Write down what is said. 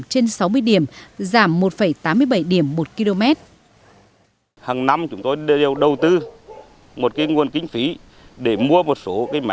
trên sáu mươi điểm giảm một tám mươi bảy điểm một km